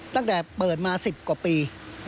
ตั้งแต่เปิดมา๑๐กว่าปี